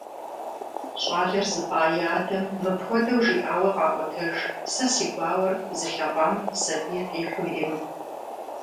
ЩӀалэр зыпӀа и адэм мыпхуэдэу жиӀауэ къаӀуэтэж: «Сэ си гуауэр зылъэгъуам сабий къихьу иремыпӀ».